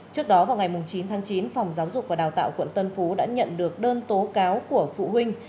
trước đó vào ngày chín tháng chín phòng giáo dục và đào tạo quận tân phú đã nhận được đơn tố cáo của phụ huynh